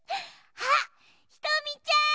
あっひとみちゃん！